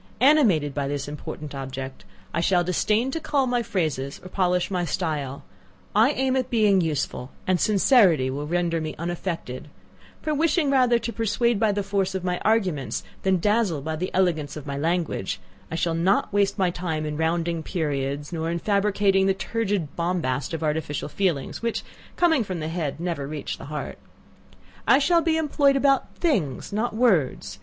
Animated by this important object, I shall disdain to cull my phrases or polish my style I aim at being useful, and sincerity will render me unaffected; for wishing rather to persuade by the force of my arguments, than dazzle by the elegance of my language, I shall not waste my time in rounding periods, nor in fabricating the turgid bombast of artificial feelings, which, coming from the head, never reach the heart. I shall be employed about things, not words!